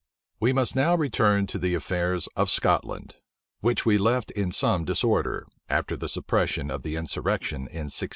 We must now return to the affairs of Scotland, which we left in some disorder, after the suppression of the insurrection in 1666.